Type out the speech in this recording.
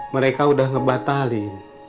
mereka udah ngebatalin